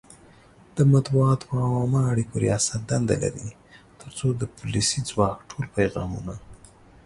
د مطبوعاتو او عامه اړیکو ریاست دنده لري ترڅو د پولیسي ځواک ټول پیغامونه